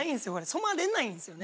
染まれないんですよね。